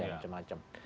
gengkel dan semacam